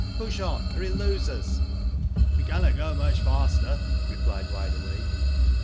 " Push on or he'll lose us." *' We cannot go much faster," replied Wide Awake.